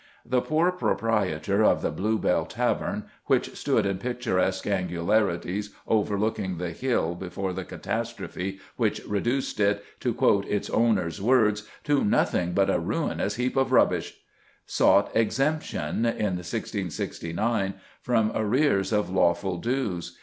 The poor proprietor of the Blue Bell tavern, which stood in picturesque angularities overlooking the hill before the catastrophe which reduced it, to quote its owner's words, "to nothing but a ruinous heap of rubbish," sought exemption, in 1669, from arrears of lawful dues.